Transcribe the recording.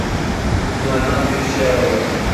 Tutunacak bir şey aradı.